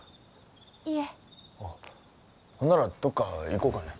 いえほんならどっか行こうかね